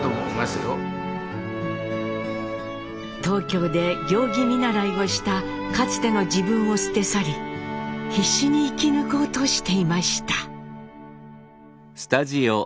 東京で行儀見習をしたかつての自分を捨て去り必死に生き抜こうとしていました。